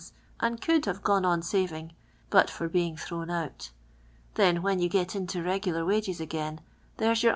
and could have gone on saving, but for being thrown out. Then, when you gt.'t into regular wages atrain, there 's yonr